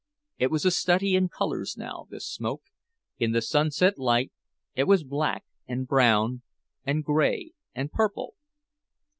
It was a study in colors now, this smoke; in the sunset light it was black and brown and gray and purple.